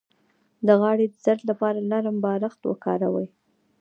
د غاړې د درد لپاره نرم بالښت وکاروئ